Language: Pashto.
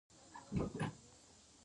د خپرولو لپاره هیڅ مالي فیس نشته.